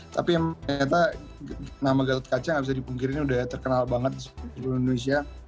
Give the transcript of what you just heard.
tapi ternyata nama gatot kaca nggak bisa dipungkirin udah terkenal banget di indonesia